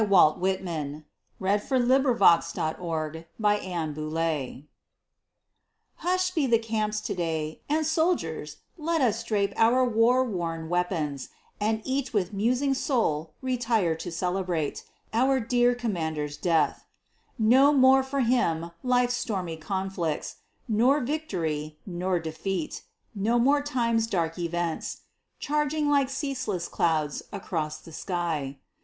Walt Whitman (1865) Hush'd Be the Camps Today May 4, 1865 HUSH'D be the camps today, And soldiers let us drape our war worn weapons, And each with musing soul retire to celebrate, Our dear commander's death. No more for him life's stormy conflicts, Nor victory, nor defeat no more time's dark events, Charging like ceaseless clouds across the sky.